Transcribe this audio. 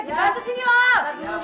sebentar sebentar ya pak